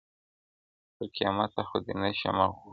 تر قیامته خو دي نه شم غولولای-